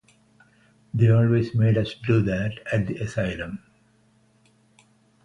They always made us do that at the asylum.